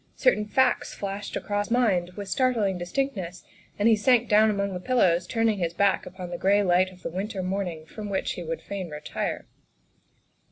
Certain facts flashed across his mind with startling distinctness, and he sank down among the pillows, turning his back upon the gray light of the winter morning from which he would fain retire.